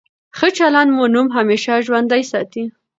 ښه چلند مو نوم همېشه ژوندی ساتي.